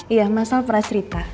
iya masal pernah cerita